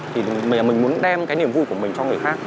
thì mình muốn đem cái niềm vui của mình cho người khác